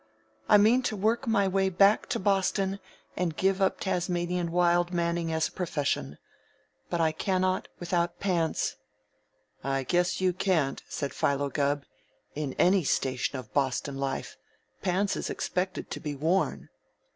I mean to work my way back to Boston and give up Tasmanian Wild Man ing as a profession. But I cannot without pants." "I guess you can't," said Philo Gubb. "In any station of Boston life, pants is expected to be worn."